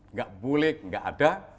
nggak boleh nggak ada